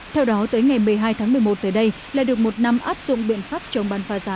theo đó tới ngày một mươi hai tháng một mươi một tới đây lại được một năm áp dụng biện pháp chống bán phá giá